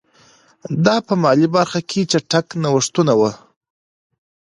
دا په مالي برخه کې چټک نوښتونه وو